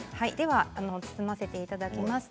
包ませていただきます。